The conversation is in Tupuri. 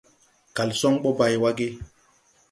Kalsoŋ ɓɔ bay wa ge ?